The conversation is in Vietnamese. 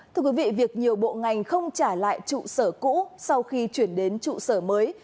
thưa quý vị việc nhiều bộ ngành không trả lại trụ sở cũ sau khi chuyển đến trụ sở mới